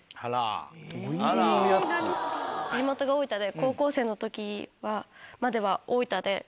地元が大分で。